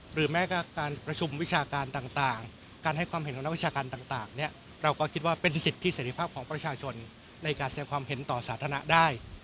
แม้การประชุมวิชาการต่างการให้ความเห็นของนักวิชาการต่างเนี่ยเราก็คิดว่าเป็นสิทธิเสร็จภาพของประชาชนในการแสดงความเห็นต่อสาธารณะได้